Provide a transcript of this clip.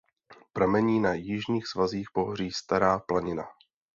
Pramení na jižních svazích pohoří Stara Planina.